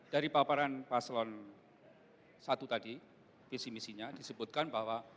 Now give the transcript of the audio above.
dari pahamaran pasalon satu tadi visi visinya disebutkan bahwa